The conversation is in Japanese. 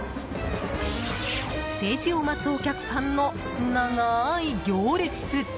レジを待つお客さんの長い行列。